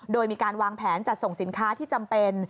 โดยมีการวางแผนจัดส่งสินค้าที่จำเป็น